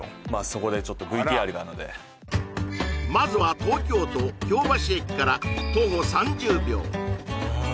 そこでちょっとＶＴＲがあるのでまずは東京都京橋駅から徒歩３０秒あ